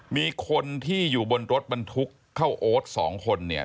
มีคนที่อยู่บนรถบรรทุกเข้าโอ๊ตสองคนเนี่ย